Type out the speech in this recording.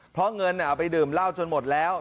เพราะเงินเอาไปดื่มเหล้าจนหมดแล้ว